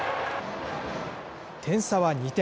点差は２点。